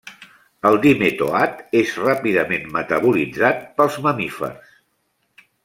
El Dimetoat és ràpidament metabolitzat pels mamífers.